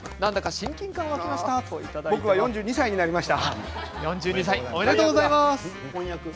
僕は４２歳になりました。